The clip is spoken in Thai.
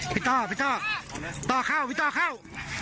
พี่ต้อต้องเข้าพี่ต้องเข้า